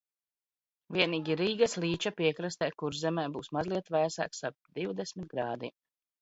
Vienīgi Rīgas līča piekrastē Kurzemē būs mazliet vēsāks – ap divdesmit grādiem.